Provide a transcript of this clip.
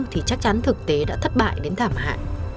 thì chắc chắn thực tế đã thất bại đến thảm hại